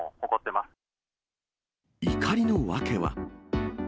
怒りの訳は。